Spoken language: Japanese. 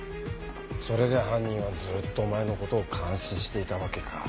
それで犯人はずっとお前のことを監視していたわけか。